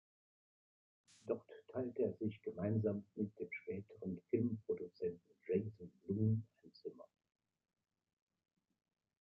Dort teilte er sich gemeinsam mit dem späteren Filmproduzenten Jason Blum ein Zimmer.